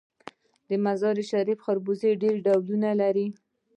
د مزار شریف خربوزې ډیر ډولونه لري.